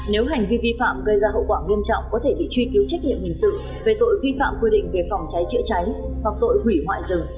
nếu hành vi vi phạm gây ra hậu quả nghiêm trọng có thể bị truy cứu trách nhiệm hình sự về tội vi phạm quy định về phòng cháy chữa cháy hoặc tội hủy hoại rừng